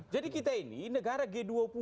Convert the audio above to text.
jadi kita ini negara g dua puluh